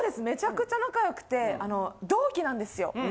めちゃくちゃ仲良くて同期なんですよ。